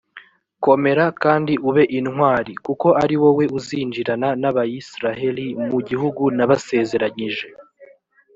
komera kandi ube intwari, kuko ari wowe uzinjirana n’abayisraheli mu gihugu nabasezeranyije,